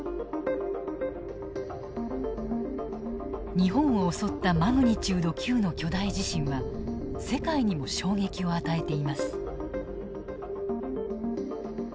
日本を襲ったＭ９．０の巨大地震は世界にも衝撃を与えています。